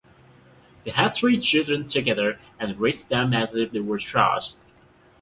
They had three children together and raised them as if they were Jared's.